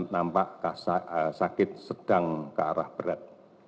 nampak sakit sedang ke arah berat